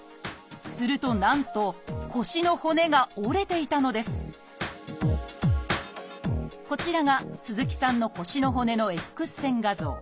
するとなんと腰の骨が折れていたのですこちらが鈴木さんの腰の骨のＸ線画像。